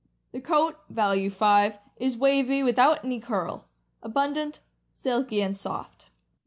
The coat (value 5) is wavy, without any curl; abundant, silky, and soft.